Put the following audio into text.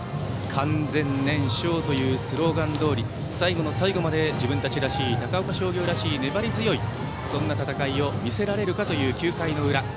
「感全粘笑」というスローガンどおり最後の最後まで自分たちらしい、高岡商業らしい粘り強い戦いを見せられるかという９回の裏。